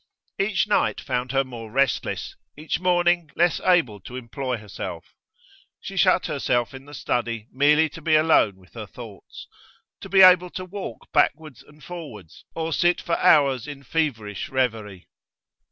Each night found her more restless, each morning less able to employ herself. She shut herself in the study merely to be alone with her thoughts, to be able to walk backwards and forwards, or sit for hours in feverish reverie.